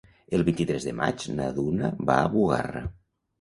El vint-i-tres de maig na Duna va a Bugarra.